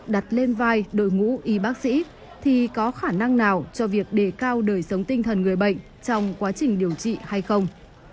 đặt lên vai đội ngũ y bác sĩ thì có khả năng nào cho việc đề cao đời sống tinh thần người bệnh trong quá trình điều trị hay không